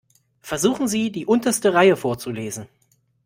Versuchen Sie, die unterste Reihe vorzulesen.